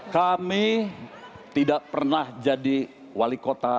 kami tidak pernah jadi wali kota